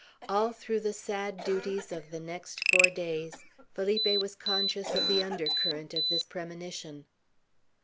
All through the sad duties of the next four days Felipe was conscious of the undercurrent of this premonition.